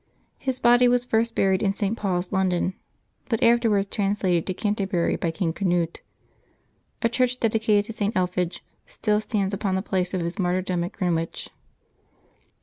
His body was first buried in St. Paul's, London, but was afterwards translated to Canterbury by Eang Canute. A church dedi cated to St. Elphege still stands upon the place of his martyrdom at Greenwich.